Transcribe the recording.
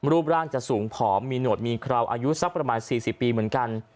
รูปร่างจะสูงผอมมีหนวดมีคราวอายุสักประมาณ๔๐ปีเหมือนกัน